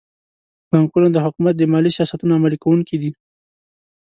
بانکونه د حکومت د مالي سیاستونو عملي کوونکي دي.